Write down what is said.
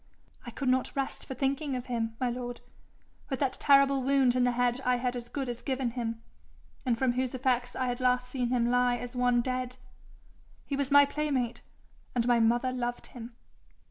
'I could not rest for thinking of him, my lord, with that terrible wound in the head I had as good as given him, and from whose effects I had last seen him lie as one dead. He was my playmate, and my mother loved him.'